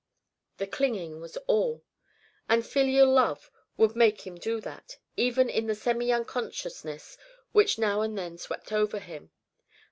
The clinging was all, and filial love would make him do that, even in the semi unconsciousness which now and then swept over him.